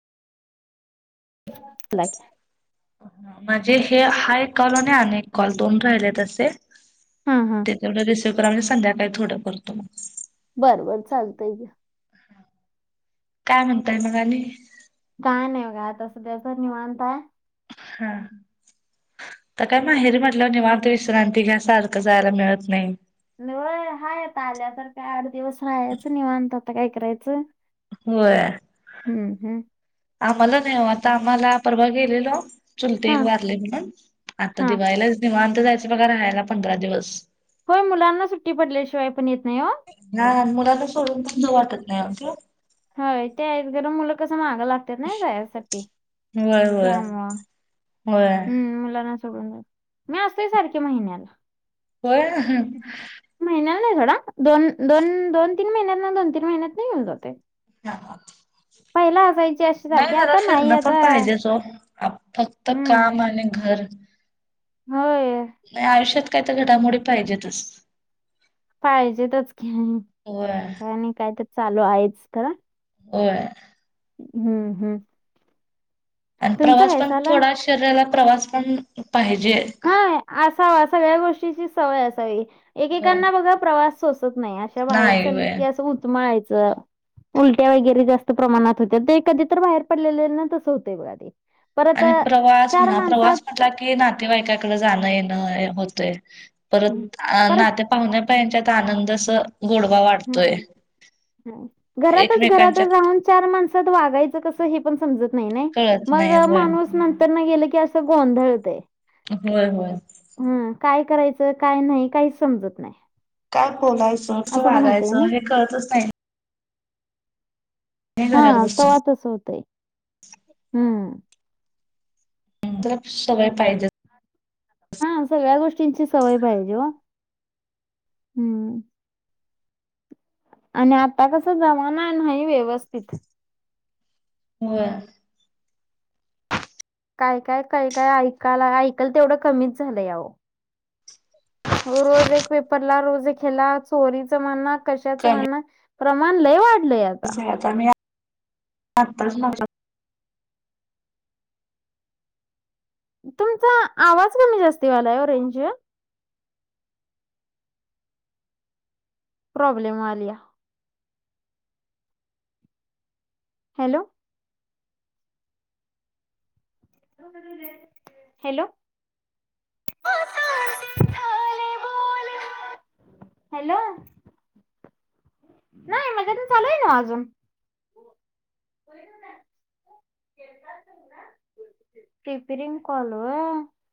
Like हं माझे हे हा एक कॉल आणि अन एक कॉल दोन रायले तसे. हा हा तेच्यावढं रिसिव करा अनी संध्याकाळी थोडं करतो मग. बरं बर चालतंय की. काय म्हणताय मग आणि काय नाई बघा आता सध्या तर निवांतय. हा. त काय माहेरी म्हटल्याव निवांत विश्रांती घ्या सारखं जायला मिळत नाई. नईव हाय आता आल्यासारखं आठ दिवस राहायचं निवांत आता काय करायचं. होय. हम्म हम्म. आम्हाला नाई व आता आम्हाला परवा गेलेलो. चुलते हा एक वारले म्हणून आता हा दिवायलाच दिवांत जायचं बघा राहायला पंधरा दिवस. होय मुलांना सुट्टी पडल्याशिवाय पण येत नाई ओ. हां अन मुलांना सोडून पण जाऊ वाटत नाई [unintelligible] हाओय ते एक जरा मुलं कसं मगं लागत ते नाही जायासाठी, होय होय त्यामुळं, हं मुलाना मी असतुय सारखी महिन्याला. होय हहह महिन्याला नाही सोडा, दोन दोन दोन तीन महिन्यात नं, दोन तीन महिन्यात नं येऊन जातोय. [unintelligible] [unintelligible] पयला असायची अशी नाही सारखी जरा आता नाही फिरणं पण आता, पाहिजेच ओ. आप फक्त हम्म. काम आणि घर होय. नाही आयुष्यात काय तर घडामोडी पाहिजेतच‌. पायजेेतच की, होय काय नाही कायतर चालू आहेच खरं. होय‌. हम्म हम्म. आणि तुमचं प्रवास काय पण चालू आहे? थोडा शरीराला प्रवास पण पाहिजे. असा सगळ्या गोष्टीची सवय असावी, होय एकेकांना बघा प्रवास सोसत नाही, अ अशा बाहेर नाही चाललीत व्हय. की असं उचमळायचं. उलट्या वगैरे जास्त प्रमाणात हूत्यात, ते कधी तर बाहेर पडलेल्यांना तसं हूतंय बघा ते. परत आणि अ, प्रवास चार म्हणा माणसात प्रवास म्हटला की नातेवाईकाकडं जाणं येणं होतंय, परत हम्म, परत नात्यात पाहुण्या पैयच्यात आनंद असं गोडवा वाढ हं, घरातच घरातच एकमेकांच्यात राहून चार माणसात वागायचं कसं हे पण समजत नाही नाही, कळत मग नाही होय माणूस नंतर न गेलं की असं गोंधळतय. होय होय. हम्म, काय करायचं काय नाही काहीच समजत नाही. काय बोलायचं कसं असं पण होतंय ना? वागायचं हे कळतच नाही आणि हा घरात बसून तवा तसं होतय, हम्म. [unintelligible] सगळं पायजेच हा सगळ्या गोष्टींची सवय पायजे ओ,, हम्म. आणि आता कसं जमाना नाही व्यवस्थित. व्हय. काय काय काय काय ऐकायला, ऐकल तेवढं कमीच झालंय अओ. हो रोज एक पेपर ला, रोज एक हेला, चोरीचं म्हणा, कशाचं कमीच म्हणा प्रमाण लय वाढलय यात [unintelligible] तुमचा आवाज कमी जास्त वालाय ओ रेंज प्रॉब्लेम आल्या. हॅलो! हॅलो! हॅलो! नाय माझ्याकडं चालूय नवं अजून टिपरींग कॉल वय